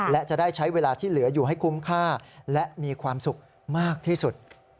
และจะได้ใช้เวลาที่เหลืออยู่ให้คุ้มค่าและมีความสุขมากที่สุด